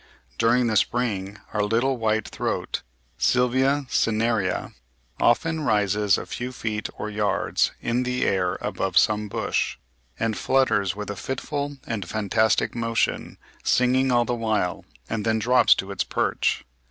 During the spring our little white throat (Sylvia cinerea) often rises a few feet or yards in the air above some bush, and "flutters with a fitful and fantastic motion, singing all the while, and then drops to its perch."